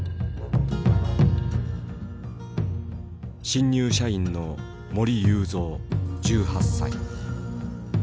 新入社員の森祐三１８歳。